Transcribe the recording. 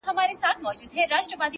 عجیبه ده لېونی آمر مي وایي.